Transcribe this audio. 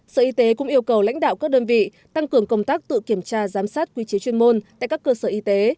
sở y tế cũng yêu cầu lãnh đạo các đơn vị tăng cường công tác tự kiểm tra giám sát quy chế chuyên môn tại các cơ sở y tế